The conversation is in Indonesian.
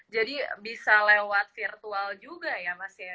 jadi bisa lewat virtual juga ya mas